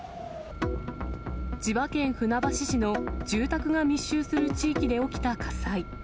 千葉県船橋市の住宅が密集する地域で起きた火災。